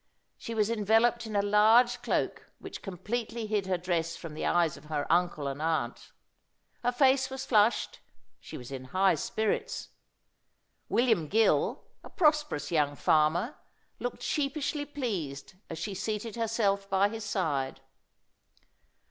She was enveloped in a large cloak which completely hid her dress from the eyes of her uncle and aunt. Her face was flushed; she was in high spirits. William Gill a prosperous young farmer looked sheepishly pleased as she seated herself by his side.